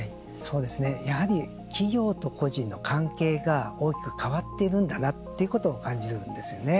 やはり企業と個人の関係が大きく変わっているんだなということを感じるんですよね。